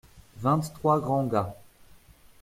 Vingt-trois grands gars.